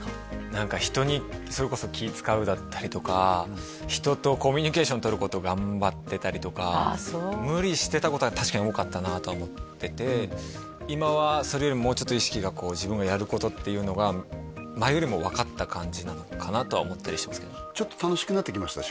何か人にそれこそ気使うだったりとか人とコミュニケーションとること頑張ってたりとか無理してたことは確かに多かったなとは思ってて今はそれよりもうちょっと意識がこう自分がやることっていうのが前よりも分かった感じなのかなとは思ったりしますけどねちょっと楽しくなってきました？